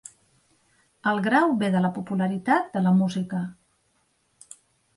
El grau ve de la popularitat de la música.